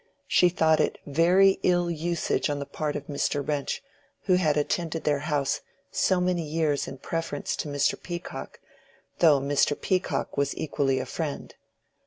She thought it "very ill usage on the part of Mr. Wrench, who had attended their house so many years in preference to Mr. Peacock, though Mr. Peacock was equally a friend.